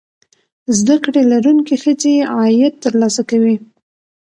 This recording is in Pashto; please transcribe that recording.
زده کړې لرونکې ښځې عاید ترلاسه کوي.